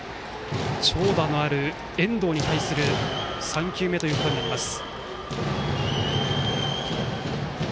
長打のある遠藤に対する３球目となります。